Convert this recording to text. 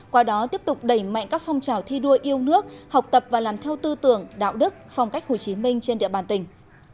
qua đó tiếp tục đẩy mạnh các phong trào thi đua yêu nước học tập và làm theo tư tưởng đạo đức phong cách hồ chí minh trên địa bàn tỉnh